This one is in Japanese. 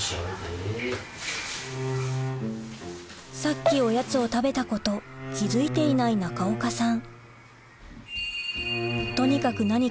さっきおやつを食べたこと気付いていない中岡さん